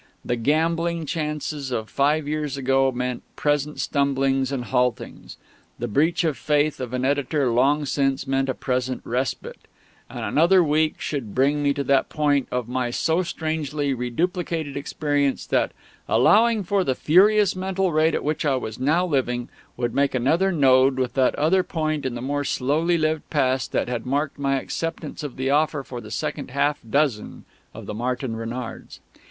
The gambling chances of five years ago meant present stumblings and haltings; the breach of faith of an editor long since meant a present respite; and another week should bring me to that point of my so strangely reduplicated experience that, allowing for the furious mental rate at which I was now living, would make another node with that other point in the more slowly lived past that had marked my acceptance of the offer for the second half dozen of the Martin Renards.